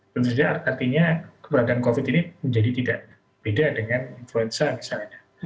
tentu saja artinya keberadaan covid ini menjadi tidak beda dengan influenza misalnya